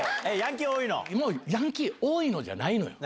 ヤンキー多いの？じゃないのよ！